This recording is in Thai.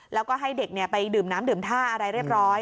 แล้วก็ให้เด็กไปดื่มน้ำดื่มท่าอะไรเรียบร้อย